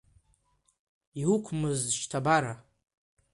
Иуқәмыз шьҭабара!